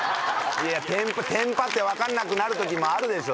テンパって分かんなくなる時もあるでしょ